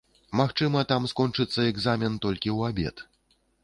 Магчыма, там скончыцца экзамен толькі ў абед.